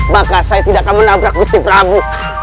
maka saya tidak akan menabrak gusti brabu